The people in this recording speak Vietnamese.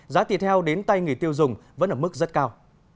giá thịt heo đến tay người tiêu dùng vẫn ở mức rất cao